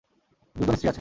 দুজন স্ত্রী আছে।